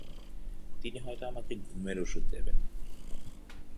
তিনি হয়তো আপনাকে ঘুমের ওষুধ দেবেন।